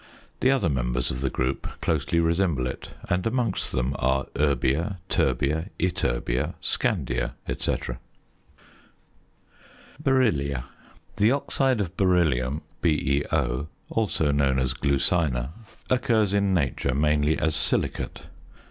The other members of the group closely resemble it, and amongst them are erbia, terbia, ytterbia, scandia, &c. BERYLLIA. The oxide of beryllium, BeO (also known as glucina), occurs in nature mainly as silicate.